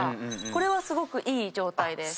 これはすごくいい状態です。